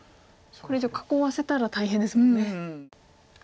これ以上囲わせたら大変ですもんね。